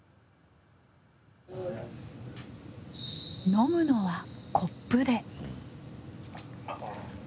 飲むのはコップで。